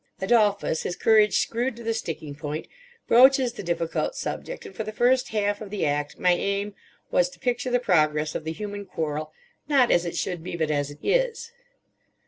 Adolphus, his courage screwed to the sticking point, broaches the difficult subject; and for the first half of the act my aim was to picture the progress of the human quarrel, not as it should be, but as it is.